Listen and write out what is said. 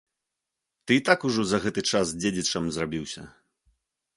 Ты і так ужо за гэты час дзедзічам зрабіўся.